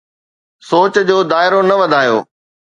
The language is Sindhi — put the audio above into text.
سوچ جو دائرو نه وڌايو.